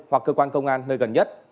hoặc cơ quan công an nơi gần nhất